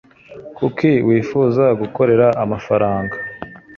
kuki wifuza gukorera amafaranga